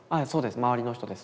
周りの人です。